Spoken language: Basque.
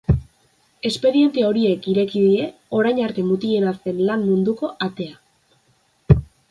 Espediente horiek ireki die orain arte mutilena zen lan munduko atea.